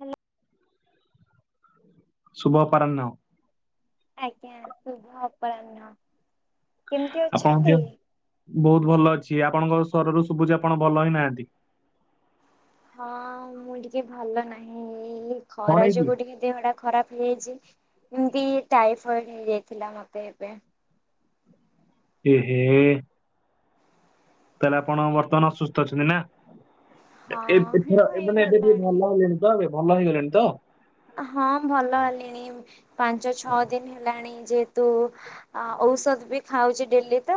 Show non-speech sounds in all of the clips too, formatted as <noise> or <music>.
Hello ଶୁଭ ଅପରାହ୍ନ। ଆଜ୍ଞା ଶୁଭ ଅପରାହ୍ନ। କେମିତି ଆପଣଙ୍କ ଅଛନ୍ତି? ଦିହ ବହୁତ ଭଲ ଅଛି। ଆପଣଙ୍କ ସ୍ୱରରୁ ଶୁବୁଚି ଆପଣ ଭଲ ହିଁ ନାହାନ୍ତି। ହଁ ମୁଁ ଟିକେ ଭଲ ନାହିଁ ଏଇ କଣ ଖରା ହେଇଛି? ଯୋଗୁ ଟିକେ ଦେହଟା ଖରାପ ହେଇଚି। ଏମିତି ଟାଇଫଏଡ଼୍ ହେଇଯାଇଥିଲା ମତେ ଏବେ। ଏହେ। ତାଲେ ଆପଣ ବର୍ତ୍ତମାନ ଅସୁସ୍ଥ ଅଛନ୍ତି ନାଁ? ହଁ ଏ ହେଉ ଏଥର ଏ ମାନେ ଏବେ ଟିକେ ହେଇଗଲାଣି। ଭଲ ହେଲେଣି। ତ ଏବେ ଭଲ ହେଇଗଲେଣି ତ? ହଁ ଭଲ ହେଲିଣି ପାଞ୍ଚ ଛଅ ଦିନ ହେଲାଣି ଯେ ତୁ ଅ ଔଷଧ ବି ଖାଉଚି ଡେଲି ତ।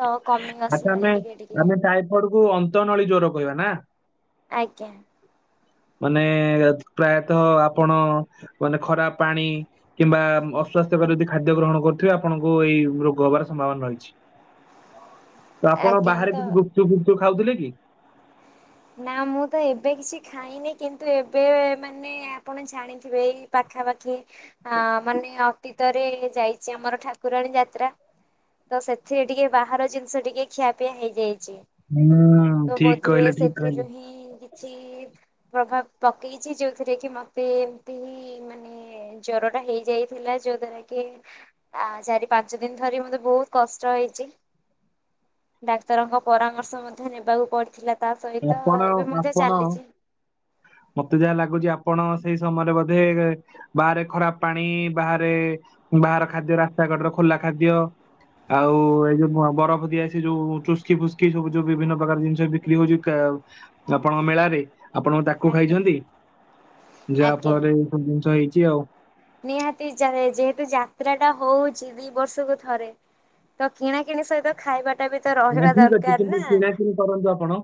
ତ କମି ଆସିଲାଣି ଟିକେ ଟିକେ। ଫଡ଼କୁ ଅନ୍ତନଳୀ ଜ୍ୱର କହିବା ନାଁ? ଆଜ୍ଞା। ମାନେ ପ୍ରାୟତଃ ଆପଣ ମାନେ ଖରାପ ପାଣି କିମ୍ବା ଅସ୍ୱାସ୍ଥ୍ୟକର ଯଦି ଖାଦ୍ୟ ଗ୍ରହଣ କରୁଥିବେ ଆପଣଙ୍କୁ ଏଇ ରୋଗ ହବାର ସମ୍ଭାବନା ରହିଛି। ତ ଆପଣ ଆଜ୍ଞା ବାହାରେ ତ କିଛି ଗୁପଚୁପ୍ ଫୁପଚୁପ୍ ଖାଉଥୁଲେ କି? ନାଁ ମୁଁ ତ ଏବେ କିଛି ଖାଇନି କିନ୍ତୁ ଏବେ ମାନେ ଆପଣ ଜାଣି ଥିବେ ଏଇ ପାଖାପାଖି ଆ ମାନେ ଅତୀତରେ ଯାଇଚି ଆମର ଠାକୁରାଣୀ ଯାତ୍ରା। ତ ସେଥିରେ ଟିକେ ବାହାର ଜିନିଷ ଟିକେ ଖିଆପିଆ ହେଇଯାଇଚି। ନା ଠିକ କହିଲେ ଠିକ କହିଲେ। <unintelligible> କିଛି ପ୍ରଭାବ ପକେଇଛି ଯୋଉଥିରେ କି ମତେ ଏମିତି ହି ମାନେ ଜର ଟା ହେଇ ଯାଇଥିଲା ଯୋଉ ଦ୍ଵାରା କି ଆ ଚାରି ପାଞ୍ଚ ଦିନି ଧରି ମତେ ବହୁତ କଷ୍ଟ ହେଇଛି। ଡାକ୍ତରଙ୍କ ପରାମର୍ଶ ମଧ୍ୟ ନେବାକୁ ପଡିଥିଲା ତା ସହିତ ଆପଣ ଏବେ ମଧ୍ୟ ଚାଲିଛି। ମୋତେ ଯାହା ଲାଗୁଚି ଆପଣ ସେଇ ସମୟରେ ବୋଧେ ବାହାରେ ଖରାପ ପାଣି ବାହାରେ ବାହାର ଖାଦ୍ୟ ରାସ୍ତା କଡର ଖୋଲା ଖାଦ୍ୟ ଆଉ ଏଇ ଯୋଉ ବରଫ ଦିଆ ସେ ଯୋଉ ଚୁସ୍କି ଫୁସ୍କି ସବୁ ଯୋଉ ବିଭିନ୍ନ ପ୍ରକାର ଜିନିଷ ବିକ୍ରି ହଉଛି ଆପଣଙ୍କ ମେଳାରେ ଆପଣ ତାକୁ ଆଜ୍ଞା। ଖାଇଛନ୍ତି ଯାହା ଆଜ୍ଞା ଫଳରେ ଜିନିଷ ହେଇଛି ଆଉ। ନିହାତି ଯା ଯେହେତୁ ଯାତ୍ରା ଟା ହଉଛି ଦି ବର୍ଷକୁ ଥରେ ତ କିଣା କିିଣି ସହିତ ଖାଇବା ଟା ବି ତ ନା ରହିବା ଠିକ ଅଛି ଦରକାର କିନ୍ତୁ ନା। କିଣାକିଣି କରନ୍ତୁ ଆପଣ।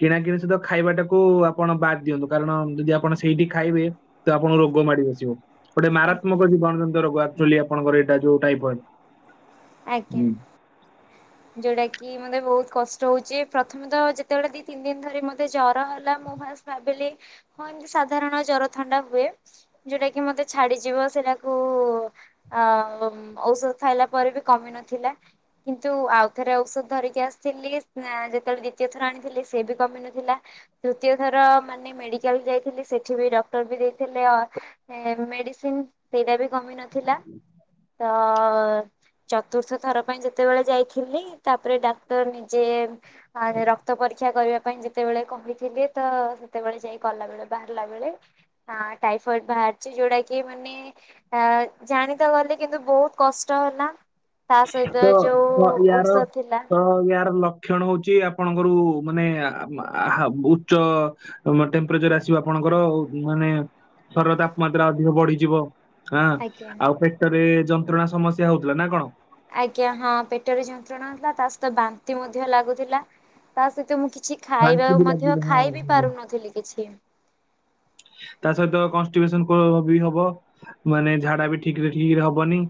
କିଣାକିଣି ସହିତ ଖାଇବାଟାକୁ ଆପଣ ବାଦ୍ ଦିଅନ୍ତୁ। କାରଣ ଯଦି ଆପଣ ସେଇଠି ଖାଇବେ ତ ଆପଣଙ୍କୁ ରୋଗ ମାଡି ବସିବ। ଗୋଟେ ଆଜ୍ଞା ମାରାତ୍ମକ ଜୀବାଣୁ ଜନିତ ରୋଗ ଆକଚୁଆଲି ଆପଣଙ୍କର ଏଇଟା ଯୋଉ ଟାଇଫଏଡ। ଆଜ୍ଞା। ଯୋଉଟା କି ମତେ ବହୁତ କଷ୍ଟ ହଉଚି ପ୍ରଥମେ ତ ଯେତେବେଳେ ଦି ତିନି ଦିନି ଧରି ମତେ ଜର ହେଲା ମୁଁ ଫାଷ୍ଟ ଭାବିଲି ହଁ ଏମିତି ସାଧାରଣ ଜର ଥଣ୍ଡା ହୁଏ। ଯୋଉଟା କି ମତେ ଛାଡିଯିବ ସେଟାକୁ ଆ ଅ ଔଷଧ ଖାଇଲା ପରେ ବି କମି ନଥିଲା। କିନ୍ତୁ ଆଉ ଥରେ ଔଷଧ ଧରିକି ଆସିଥିଲି। ଆଁ ଯେତେବେଳେ ଦ୍ଵିତୀୟ ଥର ଆଣିଥିଲି ସେ ବି କମି ନଥିଲା ତୃତୀୟ ଥର ମାନେ ମେଡିକାଲ ଯାଇଥିଲି। ସେଠି ବି ଡକ୍ଟର ବି ଦେଇଥିଲେ ମେଡ଼ିସିନ ସେଇଟା ବି କମି ନଥିଲା ତ ଚତୁର୍ଥ ଥର ପାଇଁ ଯେତେବେଳେ ଯାଇଥିଲି। ତାପରେ ଡାକ୍ତର ନିଜେ ଆ ରକ୍ତ ପରୀକ୍ଷା କରିବା ପାଇଁ ଯେ ସେତେବେଳେ କହିଥିଲେ ତ ସେତେବେଳେ ଯାଇ ଗଲାବେଳେ ବାହାରିଲା ବେଳେ ହଁ ଟାଇଫଏଡ ବାହାରିଛି ଯୋଉଟା କି ମାନେ ଆ ଜାଣି ତ ଗଲି କିନ୍ତୁ ବହୁତ କଷ୍ଟ ହେଲା। ତା ସହିତ ତ ଯୋଉ ୟାର ଔଷଧ ଥିଲା ତ ୟାର ଲ ଲକ୍ଷଣ ହଉଛି ଆପଣଙ୍କର ଉ ମାନେ ଆ-ଆ- ଉଚ୍ଚ ଟେମ୍ପେରେଚର ଆସିବ ଆପଣଙ୍କର ମାନେ <unintelligible> ତାପମାତ୍ରା ଅଧିକ ବଢିଯିବ। ହା ଆଜ୍ଞା। ଆଉ ପେଟରେ ଯନ୍ତ୍ରଣା ସମସ୍ୟା ହଉଥିଲା ନା କଣ? ଆଜ୍ଞା ହଁ ପେଟରେ ଯନ୍ତ୍ରଣା ହେଉଥିଲା ତା ସହିତ ବାନ୍ତି ମଧ୍ୟ ଲାଗୁଥିଲା ତା ସହିତ ମୁଁ କିଛି ବାନ୍ତି ବି ଖାଇବାକୁ ଲାଗିବ ମଧ୍ୟ ହଁ ଖାଇ ବିି ହଁ। ପାରୁନଥିଲି କିଛି। ତା ସହିତ କନଷ୍ଟିପେସନ କ ବି ହବ ମାନେ ଝାଡା ବି ଠିକରେ ଠିକରେ ହବନି।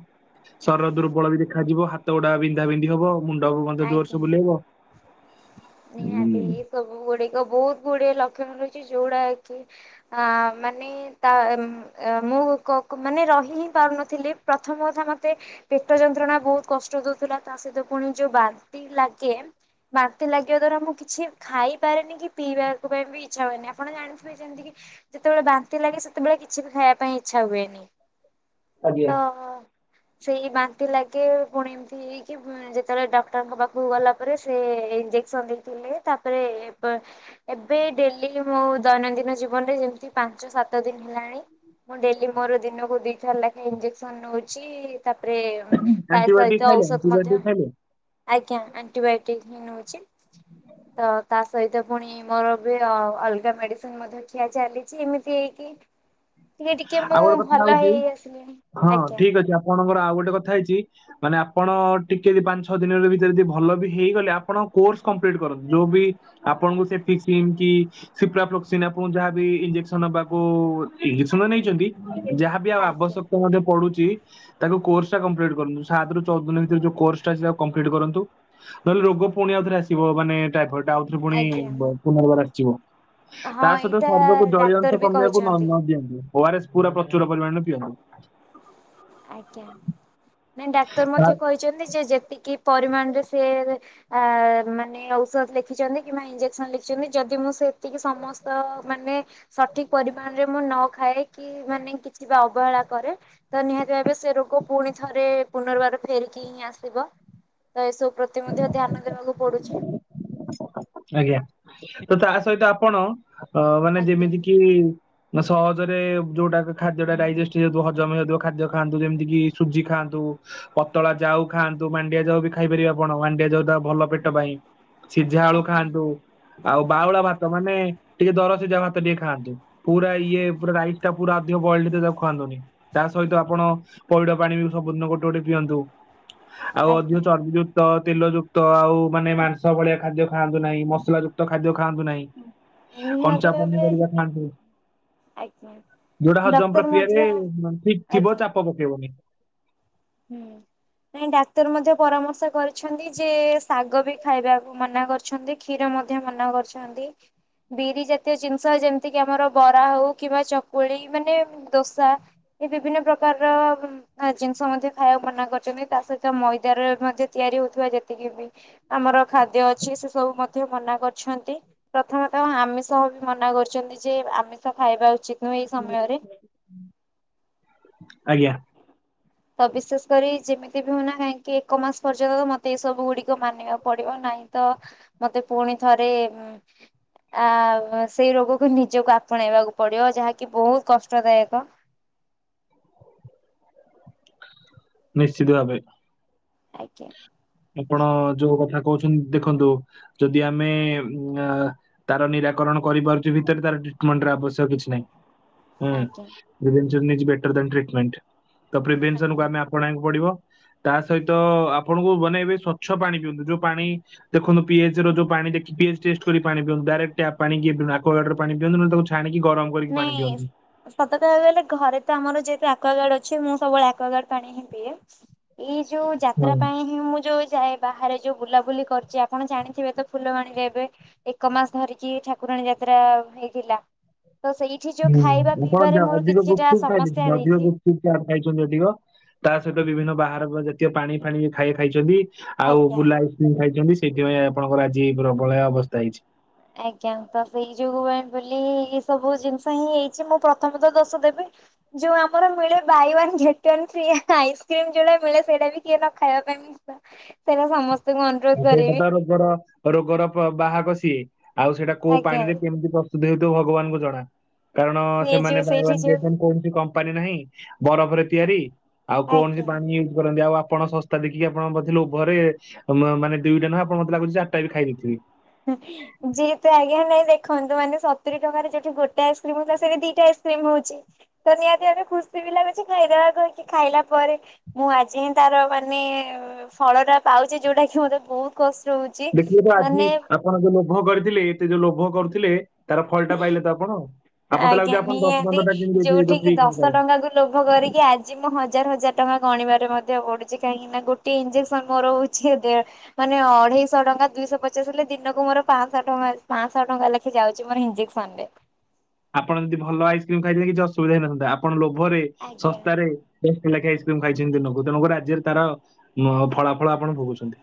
ଶରୀର ଦୁର୍ବଳ ବି ଦେଖାଯିବ ହାତ ଗୁଡା ବିନ୍ଧା ବିନ୍ଧି ହବ। ମୁଣ୍ଡ <unintelligible> ଜୋର ଆଜ୍ଞା। ସେ ବୁଲେଇବ ନିହାତି ହୁଁ। ଏ ସବୁ ଗୁଡ଼ିକ ବହୁତ ଗୁଡ଼ିଏ ଲକ୍ଷଣ ରହିଛି ଯେଉଡ଼ାକି। ଆ ମାନେ ତାମ୍ ଅ ମୁଁ କ-କ ମାନେ ରହି ହିଁ ପାରୁନଥିଲି ପ୍ରଥମ କଥା ମତେ ପେଟ ଯନ୍ତ୍ରଣା ବହୁତ କଷ୍ଟ ଦଉଥିଲା ତା ସହିତ ପୁଣି ଯୋଉ ବାନ୍ତି ଲାଗେ ବାନ୍ତି ଲାଗିବା ଦ୍ଵାରା ମୁଁ କିଛି ଖାଇପାରେନି କି ପିଇବା ପାଇଁ ବି ଇଚ୍ଛା ହୁଏନି ଆପଣ ଜାଣିଥିବେ ଯେମିତି <unintelligible> ଯେତେବେଳେ ବାନ୍ତି ଲାଗେ ସେତେବେଳେ କିଛି ବି ଖାଇବା ପାଇଁ ଇଚ୍ଛା ହୁଏନି। ଆଜ୍ଞା ତ ସେଇ ବାନ୍ତି ଲାଗେ ପୁଣି ଏମିତି ହେଇକି ଯେ ଯେତେବେଳେ ଡକ୍ଟର ଙ୍କ ପାଖକୁ ଗଲା ପରେ ସେ ଇଞ୍ଜେକ୍ସନ ଦେଇଥିଲେ ତାପରେ ଏବେ ଡେଲି ମୋ ଦୈନନ୍ଦିନ ଜୀବନରେ ଯେମିତି ପାଞ୍ଚ ସାତ ଦିନ ହେଲାଣି ମୁଁ ଡେଲି ମୋର ଦିନକୁ ଦିଇଥର ଲେଖାଏଁ ଇଞ୍ଜେକ୍ସନ ନଉଚି। ତାପରେ ତା ଆଣ୍ଟିବାୟୋଟିକ ସହିତ ଖାଇଲେ ଔଷଧ ଆଣ୍ଟିବାୟୋଟିକ ମଧ୍ୟ ଖାଇଲେ ଆଜ୍ଞା ଆଣ୍ଟିବାୟୋଟିକ ହିଁ ନଉଛି ତ ତା ସହିତ ପୁଣି ମୋର ବି ଅଲଗା ମେଡିସିନ ମଧ୍ୟ ଠିଆ ଚାଲିଛି ଏମିତି ହେଇକି ଟିକେ ଟିକେ ଆଉ ମୁଁ ଗୋଟେ କଥା ଭଲ ହେଇ ଆସିଲିଣୀ ଆଜ୍ଞା କଣଙ୍କର ଆଉ ଗୋଟେ କଥା ହେଇଛି ମାନେ ଆପଣ ଟିକେ ଯ ପାଞ୍ଚ ଛଅ ଦିନରେ ଭିତରେ ଯଦି ଭଲ ବି ହେଇଗଲେ ଆପଣ କୋର୍ସ କମ୍ପ୍ଲିଟ କରନ୍ତୁ ଯୋଉ ବି ଆପଣଙ୍କୁ <unintelligible> ଆଣଙ୍କୁ ଯାହାବି ଇଜେକ୍ସନ ନବାକୁ ସୁନ୍ଦ୍ ନେଇଛନ୍ତି ଯାହାବି ଆଉ ଆଜ୍ଞା ଆବଶ୍ୟକତା ମଧ୍ୟ ପଡୁଛି ତାକୁ କୋର୍ସ ଟା କଂପ୍ଲିଟ୍ କରନ୍ତୁ ସାତରୁ ଚଉଦିନ ଭିତରେ ଯୋଉ କୋର୍ସ୍ ଟା ଅଛି ତାକୁ କମ୍ପ୍ଲିଟ କରନ୍ତୁ ନହେଲେ ରୋଗ ପୁଣି ଆଉଥରେ ଆସିବ ମାନେ ଏଟା ପ ଆଉଥରେ ପୁଣି ଆଜ୍ଞା। ପୁନର୍ବାର ଆସିିବ ତା ହଁ ସହିତ ଏଇଟା ଶରୀରକୁ ଜଳୀୟ ଡାକ୍ତର ଅଂଶ ବି କମିବାକୁ ନ କହିଛନ୍ତି ନ ଦିଅନ୍ତୁ ଓ ଆର ଏସ୍ ପୁରା ପ୍ରଚୁର ପରିମାଣରେ ପିଅନ୍ତୁ ଆଜ୍ଞା ନାଇଁ ଡାକ୍ତର ମଧ୍ୟ ତା- କହିଛନ୍ତି ଯେ ଯେତିକି ପରିମାଣରେ ସେ ଆ ମାନେ ଔଷଧ ଲେଖିଛନ୍ତି କିମ୍ବା ଇଞ୍ଜେକ୍ସନ ଲେଖିଛନ୍ତି ଯଦି ମୁଁ ସେତିକି ସମସ୍ତ ମାନେ ସଠିକ ପରିମାଣ ରେ ମୁଁ ନ ଖାଏ କି ମାନେ କିଛି ବା ଅବହେଳା କରେ ତ ନିହାତି ଏବେ ସେ ରୋଗ ପୁଣି ଥରେ ପୁନର୍ବାର ଫେରିକି ହିଁ ଆସିବ ତ ଏସବୁ ପ୍ରତି ମଧ୍ୟ ଧ୍ୟାନ ଦେବାକୁ ପଡୁଛି। ଆଜ୍ଞା ତ ତା ସହିତ ଆପଣ ଅ ମାନେ ଆଜ୍ଞା ଯେମିତି କିି ନା ସହଜରେ ଯୋଉଟାକ ଖାଦ୍ୟ ଟା ଡାଇଜେଷ୍ଟ ହେଇଯାଉଥିବ ହଜମ ହେଇଯାଉଥିବ ଖାଦ୍ୟ ଖାଆନ୍ତୁ ଯେମିତି କିି ସୁଜି ଖାଆନ୍ତୁ। ପତଳା ଯାଉ ଖାଆନ୍ତୁ ମାଣ୍ଡିଆ ଯାଉ ବି ଖାଇପାରିବେ ଆପଣ ମାଣ୍ଡିଆ ଯାଉ ତା ଭଲ ପେଟ ପାଇଁ ସିଝା ଆଳୁ ଆଜ୍ଞା ଖାଆନ୍ତୁ ଆଉ ବାଉଳା ଭାତ ମାନେ ଟିକେ ଦର ସିଝା ଭାତ ଟିକେ ଖାଆନ୍ତୁ। ପୁରା ଇଏ ପୁରା ରାଇସ୍ ଟା ପୁରା ଅଧିକ ବଏୟଲେଡ ତାକୁ ଖୁଆନ୍ତୁନି ତା ସହିତ ଆପଣ ପଇଡ ପାଣି ବି ସବୁଦିନ ଗୋଟେ ଗୋଟେ ପିଅନ୍ତୁ। ଆଉ ଅଧିକ ଆଜ୍ଞା। ଚର୍ବି ଯୁକ୍ତ ତେଲ ଯୁକ୍ତ ଆଉ ମାନେ ମାଂସ ଚ ଭଳିଆ ଖାଦ୍ୟ ଖାଆନ୍ତୁ ନାହିଁ ମସଲା ଯୁକ୍ତ ଖାଦ୍ୟ ଖାଆନ୍ତୁ ନାହିଁ। ନିହାତି କଞ୍ଚା ଭାବେ ପନିପରିବା ଖାଆନ୍ତୁ ଆଜ୍ଞା ଯୋଉଡା ହଜମ ଡକ୍ଟର ମଧ୍ୟ ପ୍ରକ୍ରିୟାରେ ଠିକ ଥିବ ଆଜ୍ଞା। ଚାପ ପକେଇବନି ହୁଁ ନାଇଁ ଡାକ୍ତର ମଧ୍ୟ ପରାମର୍ଶ କରିଛନ୍ତି ଯେ ଶାଗ ବି ଖାଇବାକୁ ମନା କରି ଛନ୍ତି କ୍ଷୀର ମଧ୍ୟ ମନା କରୁଛନ୍ତି। ବିରି ଜାତୀୟ ଜିନିଷ ଯେମିତିକି ଆମର ବରା ହଉ କିମ୍ବା ଚକୁଳି ମାନେ ଦୋସା ଏ ବିଭିନ୍ନ ପ୍ରକାରର ଜି -ଜିନିଷ ମଧ୍ୟ ଖାଇବାକୁ ମନା କରିଛନ୍ତି ତା ସହିତ ମଇଦାରେ ମଧ୍ୟ ତିଆରି ହଉଥିବା ଯେତିକି ବି ଆମର ଖାଦ୍ୟ ଅଛି ସେ ସବୁ ମଧ୍ୟ ମନା କରିଛନ୍ତି। ପ୍ରଥମେତ ଆମିଷ ବି ମନା କରୁଛନ୍ତି ଯେ ଆମିଷ ଖାଇବା ଉଚିତ ନୁହେଁ ଏଇ ସମୟରେ। ଆଜ୍ଞା ତ ବିଶେଷ କରି ଯେମିତି ବି ହଉନା କାହିଁକି ଏକ ମାସ ପର୍ଯ୍ୟନ୍ତ ତ ମତେ ଏ ସବୁ ଗୁଡିକ ମାନିବାକୁ ପଡିବ ନାହିଁ ତ ମତେ ପୁଣି ଥରେଉ ଆ ସେଇ ରୋଗକୁ ନିଜକୁ ଆପଣେଇବାକୁ ପଡିବ ଯାହାକି ବହୁତ କଷ୍ଟଦାୟକ ନିଶ୍ଚିତ ଭାବେ ଆଜ୍ଞା ଆପଣ ଯୋଉ କଥା କହୁଛନ୍ତି ଦେଖନ୍ତୁ ଯଦି ଆମେ ଆ ତାର ନିରାକରଣ କରିପାରୁଛି ଭିତରେ ତାର ଟିଟମେଣ୍ଟ ଆବଶ୍ୟକ କିଛି ନାହିଁ। ଆ <unintelligible> ଆଜ୍ଞା ଇଜ ଦ୍ୟଟ ଟ୍ରିଟିମେଣ୍ଟ ତ ପ୍ରିଭିନିସନ୍ କୁ ଆଜ୍ଞା ଆମେ ଆ ପଣେଇକୁ ପଡିବ ତା ସହିତ ଆପଣଙ୍କୁ ବନେଇବେ ସ୍ଵଛ ପାଣି ପିଅନ୍ତୁ ଯୋଉ ପାଣି ଦେଖନ୍ତ ପିଏଚ ର ଯୋଉ ପାଣି <unintelligible> ପାଣି ପିଅନ୍ତୁ ଡାଇରେକ୍ଟ ଟ୍ୟାପ ପାଣି କିଏ <unintelligible> ଛାଣିକି ଗରମ କରିକି ପାଣି ନେଇ ପିଅନ୍ତୁ ସତ କହିଁବାକୁ ଗଲେ ଘରେ ତ ଆମର ଯେହେତୁ ଆକ୍ୱାର୍ଡ ଅଛି ମୁଁ ସବୁବେଳେ ଆକ୍ୱାଗାର୍ଡ ପାଣି ହିଁ ପିଏ ଏଇ ଯୋଉ ଯାତ୍ରା ହୁଁ ପାଇଁ ହିଁ ମୁଁ ଯୋଉ ଯାଏ ବାହାରେ ଯୋଉ ବୁଲାବୁଲି କରୁଛି ଆପଣ ଜାଣିଥିବେ ତ ଫୁଲବାଣୀରେ ଏବେ ଏକ ମାସ ଧରିକି ଠାକୁରାଣୀ ଯାତ୍ରା ହେଇଥିଲା। ତ ସେଇଠି ଯୋଉ ହୁଁ ଖାଇବା ଆପଣ ପିଇବାରେ ମୋର କିଛିଟା ସମସ୍ୟା ହେଇଛି ଚା ଖାଇଛନ୍ତି ଅଧିକ, ତା ସହିତ ବିଭିନ୍ନ ବାହାର ଜାତୀୟ ପାଣି ଫାଣି ଖାଇଆ ଖାଇଛନ୍ତି ଆଉ ଆଜ୍ଞା। ବୁଲା ଆଇସ୍କ୍ରିମ ଖାଇଛନ୍ତି, ସେଇଥିପାଇଁ ଆପଣଙ୍କର ଆଜି ପ୍ରବଳଆ ଅବସ୍ଥା ହେଇଛି। ଆଜ୍ଞା। ତ ସେଇ ଯୋଗୁ ପାଇଁ ବୋଲି ଏ ସବୁ ଜିନିଷ ହିଁ ହେଇଛି, ମୁଁ ପ୍ରଥମ ତ ଦୋଷ ଦେବି ଯୋଉ ଆମର ମିଳେ buy one get one free ice cream ଯୋଉଟା ମିଳେ, ସେଇଟା ବି କିଏ ନ ଖାଇବା ପାଇଁ ବ୍ୟସ୍ତ। ସେଇରା ସମସ୍ତ ସେଇଟା ତ ରୋଗର ରୋଗର ବା-ବାହାକ ସିଏ। ଆଉ ସେଇଟା କୋଉ ଆଜ୍ଞା ପାଣିରେ କେମିତି ପ୍ରସ୍ତୁତ ହେଉଥିବ ଭଗବାନଙ୍କୁ ଜଣା। କାରଣ ସିଏ ସେମାନେ ଯୋଉ ବାଏ ୱାନ ସେଇଠି ଯୋଉ ଗେଟ୍ ୱାନ କୌଣସି କମ୍ପାନୀ ନାହିଁ, ବରଫରେ ତିଆରି ଆଉ କୌଣସି ଆଜ୍ଞା। ପାଣି ୟୁଜ କରନ୍ତି ଆଉ ଆପଣ ଶସ୍ତା ଦେଖିକି ଆପଣଙ୍କ ପ୍ରତି ଲୋଭରେ ମ-ମାନେ ଦୁଇଟା ନୁହଁ, ଆପଣ ମତେ ଲାଗୁଛି ଚାରିଟା ବି ଖାଇ ଦେଇଥିବେ। ହଁ। ଯିଏ ତ ଆଜ୍ଞା ନାଇ ଦେଖନ୍ତୁ, ମାନେ ସତୁରି ଟଙ୍କାରେ ଯୋଉଠି ଗୋଟେ ଆଇସ୍କ୍ରିମ ହଉଥିଲା, ସେଠି ଦିଟା ଆଇସ୍କ୍ରିମ ହଉଛି। ତ ନିହାତି ଭାବରେ ଖୁସି ବି ଲାଗୁଛି, ଖାଇବା କହିକି ଖାଇଲା ପରେ ମୁଁ ଆଜି ହିଁ ତାର ମାନେ ଫଳଟା ପାଉଛି, ଯୋଉଟାକି ମତେ ବହୁତ କଷ୍ଟ ହଉଛି। ଦେଖିଲେ ତ ଆଜି ମାନେ ଆପଣ ଯୋଉ ଲୋଭ କରିଥିଲେ, ଏତେ ଯୋଉ ଲୋଭ କରୁଥିଲେ ତାର ଫଳଟା ପାଇଲେ ତ ଆପଣ? ଆଉ ମତେ ଆଜ୍ଞା ଲାଗୁଛି ଆପଣ ଦଶ ନିହାତି ପନ୍ଦରଟା କିଣି ଦେଇଥିବେ ଏ ଯୋଉଠି ଯୋଉ କିି ଫ୍ରି ପାଇଁ ଦଶ ଖାଇବେ। ଟଙ୍କାକୁ ଲୋଭ କରିକି ଆଜି ମୁଁ ହଜାର ହଜାର ଟଙ୍କା ଗଣିବାରେ ମଧ୍ୟ ପଡୁଛି। କାହିଁକିନା ଗୋଟିଏ ଇଞ୍ଜେକ୍ସନ ମୋର ହଉ ଉଛି ଦେଢ଼ ମାନେ ଅଢେଇଶହ ଟଙ୍କା, ଦୁଇଶହ ପଚାଶ ହେଲେ ଦିନକୁ ମୋର ପାଞ୍ଚଶହ ଟଙ୍କା ପାଞ୍ଚଶହ ଟଙ୍କା ଲେଖେ ଯାଉ ଉଚି ମୋର ଇଞ୍ଜେକସନରେ। ଆପଣ ଯଦି ଭଲ ଆଇସ୍କ୍ରିମ୍ ଖାଇଥିଲେ କିଛି ଅସୁବିଧା ହେଇନଥାନ୍ତା। ଆପଣ ଲୋଭରେ, ଆଜ୍ଞା। ଶସ୍ତାରେ ଏତେ ଲେଖା ଆଇସ୍କ୍ରିମ ଖାଇଛନ୍ତି ଦିନକୁ, ତେଣୁକରି ଆଜିର ତାର ଉମ୍ ଫଳାଫଳ ଆପଣ ଭୋଗୁଛନ୍ତି।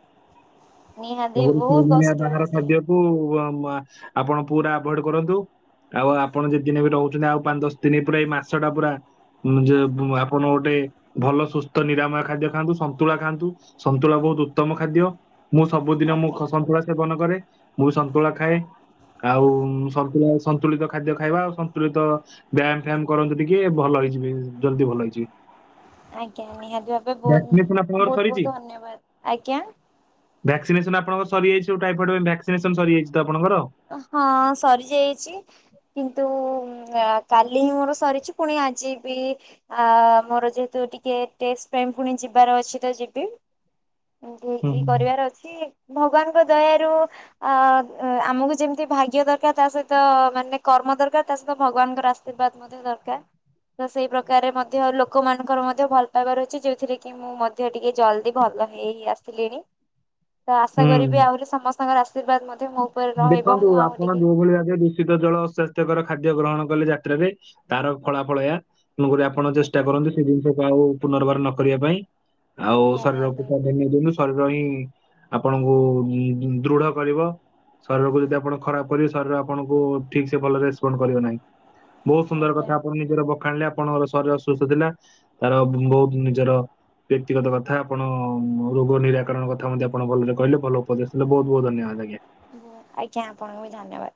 ନିହାତି ବହୁତ କଷ୍ଟ <unintelligible> ବାହାର ହଉଛି ଖାଦ୍ୟ ଆଉ ଆମ୍-ଆ-ଆପଣ ପୁରା ଆଭଏଡ କରନ୍ତୁ, ଆଉ ଆପ- ଆପଣ ଯେଦିନ ଏବେ ରହୁଛନ୍ତି ଆଉ ପାଞ୍ଚ ଦଶ ଦିନ ପୁରା, ଏଇ ମାସଟା ପୁରା ଯେ ଆପଣ ଗୋଟେ ଭଲ ସୁସ୍ଥ ନିରାମୟ ଖାଦ୍ୟ ଖାଆନ୍ତୁ, ସନ୍ତୁଳା ଖାଆନ୍ତୁ ସନ୍ତୁଳା ବହୁତ ଉତ୍ତମ ଖାଦ୍ୟ, ମୁଁ ସବୁଦିନ ମୁଁ ଆଜ୍ଞା ସନ୍ତୁଳା ସେବନ କରେ ମୁଁ ବି ସନ୍ତୁଳା ଖାଏ ଆଉ ସନ୍ତୁଳା ସନ୍ତୁଳିତ ଖାଦ୍ୟ ଖାଇବା, ଆଉ ସନ୍ତୁଳିତ ବ୍ୟାୟାମ ଫ୍ୟାୟାମ କରନ୍ତୁ ଟିକେ ଭଲ ହେଇଯିବେ, ଜଲଦି ଭଲ ହେଇଯିବେ। ଆଜ୍ଞା, ନିହାତି ଭାବେ ବହୁତ ଭ୍ୟାକ୍ସିନେସନ ଆପଣଙ୍କର ବହୁତ ସରିଛି? ବହୁତ ଧନ୍ୟବାଦ। ଆଜ୍ଞା? ଭ୍ୟାକ୍ସିନେସନ ଆପଣଙ୍କର ସରିଯାଇଛି, ଯୋଉ ଟାଇଫଏଡ ଭକ୍ସିନେସନ୍ ସରିଯାଇଛି ତ ଆପଣଙ୍କର? ହଁ, ସରି ଯାଇଚି କିନ୍ତୁ କାଲି ହିଁ ମୋର ସରିଛି, ପୁଣି ଆଜି ବି ଆ ମୋର ଯେହେତୁ ଟିକେ ଟେଷ୍ଟ୍ ପାଇଁ ପୁଣି ଯିବାର ଅଛି ତ ଯିବି। ଡ୍ୟୁଟି ହୁଁ। କରିବାର ଅଛି, ଭଗବାନଙ୍କ ଦୟାରୁ ଆ-ଆମକୁ ଯେମତି ଭାଗ୍ୟ ଦରକାର, ତା ସହିତ ମାନେ କର୍ମ ଦରକାର, ତା ସହିତ ଭଗବାନଙ୍କର ଆଶୀର୍ବାଦ ମଧ୍ୟ ଦରକାର। ତ ସେଇ ପ୍ରକାରରେ ମଧ୍ୟ ଲୋକମାନଙ୍କର ମଧ୍ୟ ଭଲ ପାଇବା ରହିଛି। ଯୋଉଥିରେ କି ମୁଁ ମଧ୍ୟ ଟିକେ ଜଲଦି ଭଲ ହେଇ ଆସିଲିଣି ତ ଆଶା ହୁଁ କରିବି ଆହୁରି ସମସ୍ତଙ୍କର ଆଶୀର୍ବାଦ ମଧ୍ୟ ମୋ ଉପରେ ରହିବ ଦେଖନ୍ତୁ ମୁଁ ଆଉ ଆପଣ ଟିକେ ଯୋଉ ଭଳି ଭାବେ ଦୂଷି ଦୂଷିତ ଜଳ, ଅସ୍ଵାସ୍ଥ୍ୟକର ଖାଦ୍ୟ ଗ୍ରହଣ କଲେ ଯାତ୍ରାରେ, ତାର ଫଳାଫଳ ଏୟା। ତେଣୁକରି ଆପ ଆପଣ ଚେଷ୍ଟା ଆଜ୍ଞା କରନ୍ତୁ ସେ ଜିନିଷକୁ ଆଉ ପୁନର୍ବାର ନ କରିବା ପାଇଁ, ଆଉ ନିହାତି ଶରୀରକୁ ଭାବେ ତ ଧ୍ୟାନ ଦିଅନ୍ତୁ ଶରୀର ହିଁ, ଆପଣଙ୍କୁ ଉମ୍ ଦୃଢ କରିବ ଶରୀରକୁ ଯଦି ଆପଣ ଖରାପ କରିବେ, ଶରୀର ଆପଣଙ୍କୁ ଠିକସେ ଭଲ ରେସପଣ୍ଡ କରିବ ନାହିଁ। ବହୁତ ସୁନ୍ଦର ଆଜ୍ଞା କଥା ଆପଣ ନିଜର ବଖାଣିଲେ, ଆପଣଙ୍କର ଶରୀର ଅସୁସ୍ଥ ଥିଲା। ତାର ବହୁତ ନିଜର ବ୍ୟକ୍ତିଗତ କଥା, ଆପଣ ରୋଗ ନିରାକରଣ କଥା ମଧ୍ୟ ଆପଣ ଭଲରେ କହିଲେ, ଭଲ ଉପଦେଶ ଦେଲେ, ବହୁତ ବହୁତ ଧନ୍ୟବାଦ ଆଜ୍ଞା। ଆଜ୍ଞା, ଆପଣଙ୍କୁ ବି ଧନ୍ୟବାଦ।